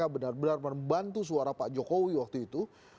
bagaimana pak jk benar benar membantu suara pak jokowi waktu itu